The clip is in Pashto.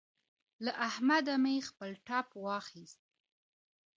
له احمده مې خپل ټپ واخيست.